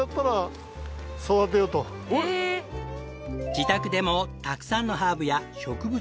自宅でもたくさんのハーブや植物を育てるほど！